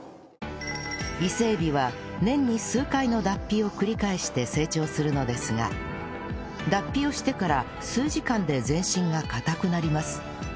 伊勢エビは年に数回の脱皮を繰り返して成長するのですが脱皮をしてから数時間で全身が硬くなります